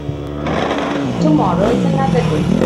Tomorrow is another day.